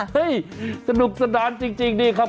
ฮะเฮ้ยสนุกสนานจริงดีครับ